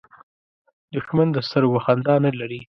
دښمن د سترګو خندا نه لري